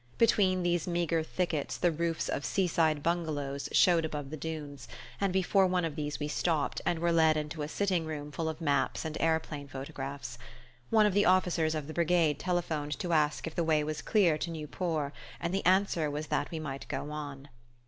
Between these meagre thickets the roofs of seaside bungalows showed above the dunes; and before one of these we stopped, and were led into a sitting room full of maps and aeroplane photographs. One of the officers of the brigade telephoned to ask if the way was clear to Nieuport; and the answer was that we might go on.